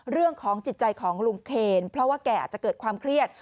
เรื่องของจิตใจของลุงเคนเพราะว่าแกอาจจะเกิดความเครียด